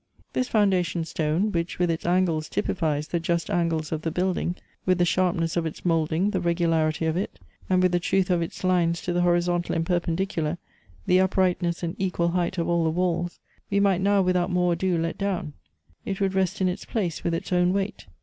" This foundation stone, which with its angles typifies the just angles of the building, with the sharpness of its moulding, the regularity of it, and with the truth of its lines to the horizontal and perpendicular, the uprightness and equal height of all the walls, we might now without more ado let down — it would rest in its place with its own weight.